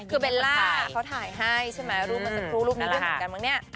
ก็เบลล่าเขาถ่ายให้ใช่ไหมรูปมันสักครู่รูปมีเรื่องเหมือนกันบ้างเนี่ย